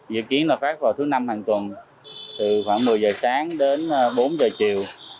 dự kiến là phát vào thứ năm hàng tuần từ khoảng một mươi giờ sáng đến bốn giờ chiều